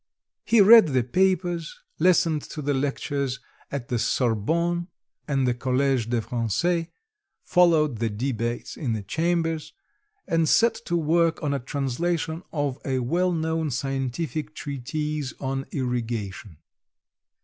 He read the papers, listened to the lectures at the Sorbonne and the College de France, followed the debates in the Chambers, and set to work on a translation of a well known scientific treatise on irrigation.